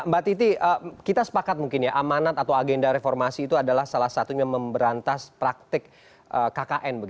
mbak titi kita sepakat mungkin ya amanat atau agenda reformasi itu adalah salah satunya memberantas praktik kkn